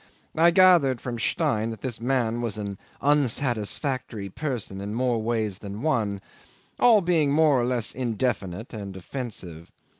I gathered from Stein that this man was an unsatisfactory person in more ways than one, all being more or less indefinite and offensive.